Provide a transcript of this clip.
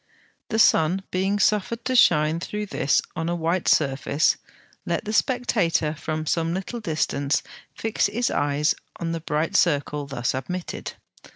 The sun being suffered to shine through this on a white surface, let the spectator from some little distance fix his eyes on the bright circle thus admitted.